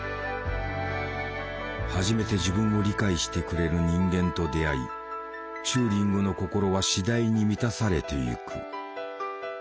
初めて自分を理解してくれる人間と出会いチューリングの心は次第に満たされてゆく。